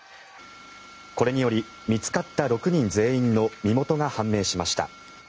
これにより見つかった６人全員の身元が判明しました。